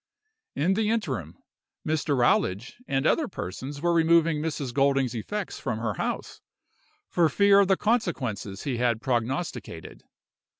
"In the interim, Mr. Rowlidge and other persons were removing Mrs. Golding's effects from her house, for fear of the consequences he had prognosticated.